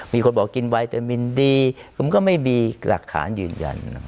มีคนบอกกินไวตามินดีผมก็ไม่มีหลักฐานยืนยัน